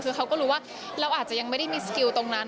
คือเขาก็รู้ว่าเราอาจจะยังไม่ได้มีสกิลตรงนั้น